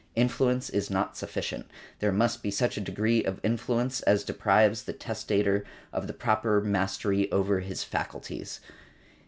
Influence is not sufficient: there must be such a degree of influence as deprives the testator of the proper mastery over his faculties .